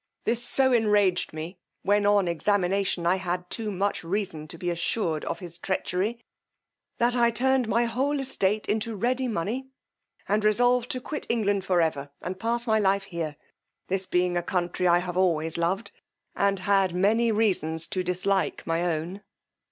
This so enraged me, when on examination I had too much reason to be assured of this treachery, that I turned my whole estate into ready money, and resolved to quit England for ever, and pass my life here, this being a country I always loved, and had many reasons to dislike my own.